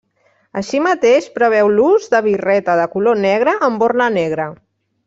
Així mateix, preveu l'ús de birreta de color negre amb borla negra.